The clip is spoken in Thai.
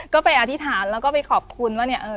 ก็ไปอธิษฐานแล้วก็ไปขอบคุณว่าเนี่ยเออ